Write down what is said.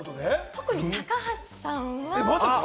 特に高橋さんは。